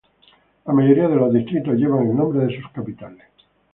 La mayoría de los distritos llevan el nombre de sus capitales.